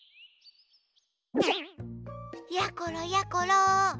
やころやころ！